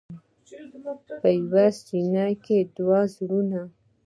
په یوه سینه کې دوه زړونه.